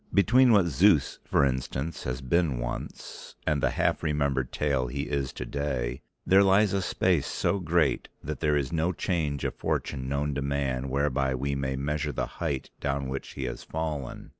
Between what Zeus, for instance, has been once and the half remembered tale he is today there lies a space so great that there is no change of fortune known to man whereby we may measure the height down which he has fallen.